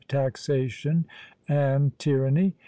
"TAXATION NO TYRANNY!"